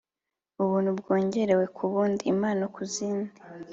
Ubuntu bwongerewe ku bundi, impano ku zindi